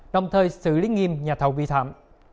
đồng thời xử lý nghiêm nhà thầu bị thạm